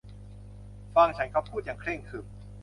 ฟังฉันเขาพูดอย่างเคร่งขรึม